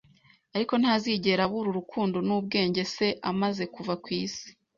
Ariko ntazigera abura urukundo n'ubwenge Se amaze kuva ku isi